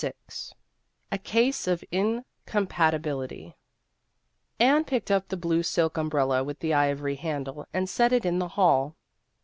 VI A CASE OF INCOMPATIBILITY ANNE picked up the blue silk umbrella with the ivory handle, and set it in the hall.